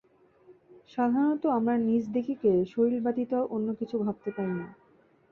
সাধারণত আমরা নিজদিগকে শরীর ব্যতীত অন্য কিছু ভাবিতে পারি না।